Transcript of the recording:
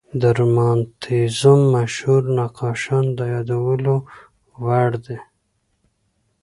د رومانتیزم مشهور نقاشان د یادولو وړ دي.